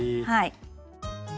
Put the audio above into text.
はい。